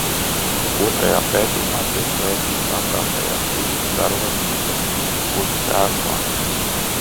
Otrajā pētījumā tiek pētīta apkārtējās vides starojuma ietekme uz sēklām.